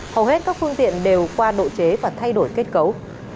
hầu hết các phương tiện đều qua độ chế và thay đổi kết cấu